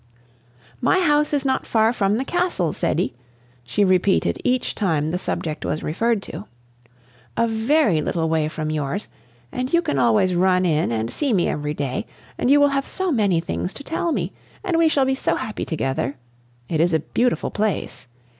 "My house is not far from the Castle, Ceddie," she repeated each time the subject was referred to "a very little way from yours, and you can always run in and see me every day, and you will have so many things to tell me! and we shall be so happy together! It is a beautiful place.